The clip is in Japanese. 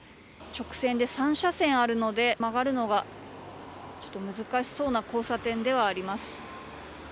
直線で３車線あるので曲がるのが難しそうな交差点ではあります。